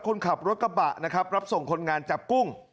คนขับรถกระบะนะครับรับส่งคนงานจับกุ้ง